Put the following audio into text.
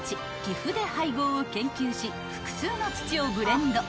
岐阜で配合を研究し複数の土をブレンド］